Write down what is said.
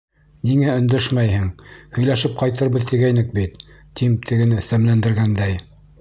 — Ниңә өндәшмәйһең, һөйләшеп ҡайтырбыҙ тигәйнек бит, — тим, тегене сәмләндергәндәй.